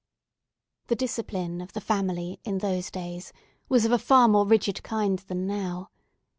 The discipline of the family in those days was of a far more rigid kind than now.